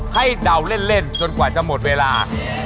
เดาเล่นจนกว่าจะหมดเวลา